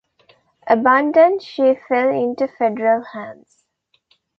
Abandoned, she fell into Federal hands.